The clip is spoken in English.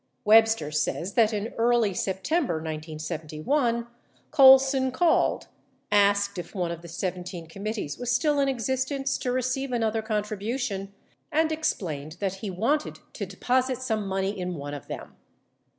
Webster says that in early September 1971, Colson called, asked if one of the 17 committees was still in existence to receive another contribution, and explained that he wanted to deposit some money in one of them.